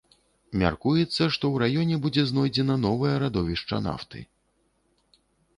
Мяркуецца, што ў раёне будзе знойдзена новае радовішча нафты.